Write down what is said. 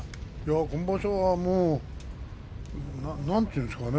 今場所はもうなんちゅうんですかね？